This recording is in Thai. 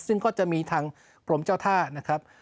ซึ่งก็จะมีทางกรมเจ้าท่านะครับ